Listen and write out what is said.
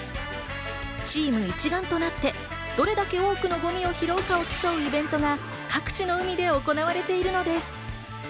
チーム一丸となってどれだけ多くのゴミが拾うかを競うイベントが各地の海で行われているのです。